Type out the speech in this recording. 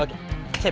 kakak bos eh